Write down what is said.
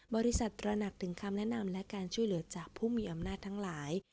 ตระหนักถึงคำแนะนำและการช่วยเหลือจากผู้มีอำนาจทั้งหลาย